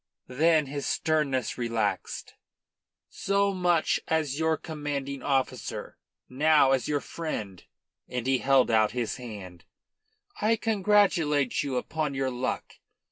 Then his sternness relaxed. "So much as your commanding officer. Now as your friend," and he held out his hand, "I congratulate you upon your luck.